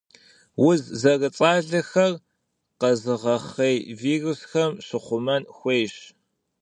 Уз зэрыцӏалэхэр къэзыгъэхъей вирусхэм зыщыхъумэн хуейщ.